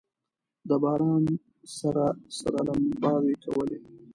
د باران سره سره لمباوې کولې.